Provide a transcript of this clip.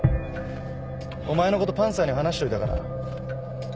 お前の事パンサーに話しといたから。